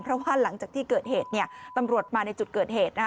เพราะว่าหลังจากที่เกิดเหตุเนี่ยตำรวจมาในจุดเกิดเหตุ